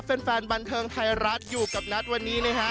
แฟนบันเทิงไทยรัฐอยู่กับนัทวันนี้นะฮะ